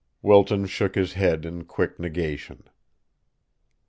Wilton shook his head in quick negation.